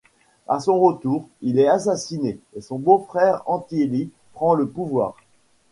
À son retour, il est assassiné, et son beau-frère Hantili prend le pouvoir.